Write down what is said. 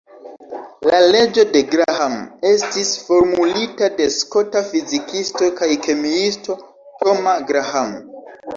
La leĝo de Graham estis formulita de skota fizikisto kaj kemiisto Thomas Graham.